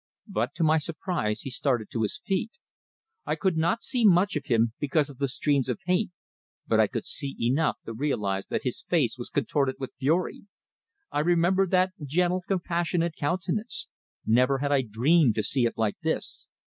But to my surprise he started to his feet. I could not see much of him, because of the streams of paint; but I could see enough to realize that his face was contorted with fury. I remembered that gentle, compassionate countenance; never had I dreamed to see it like this!